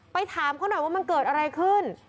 ถามเขาหน่อยว่ามันเกิดอะไรขึ้น